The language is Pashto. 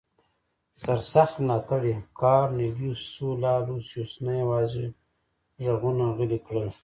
سرسخت ملاتړي کارنلیوس سولا لوسیوس نه یوازې غږونه غلي کړل